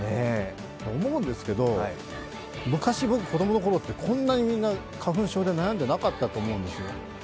思うんですけど、昔、僕、子供のころって、こんなにみんな、花粉症で悩んでなかったと思うんですよ。